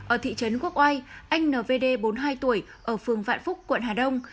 ở thị trấn quốc oai anh nvd bốn mươi hai tuổi ở phường vạn phúc quận hà đông